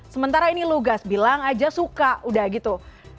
sementara ini lugas bilang aja suka udah gitu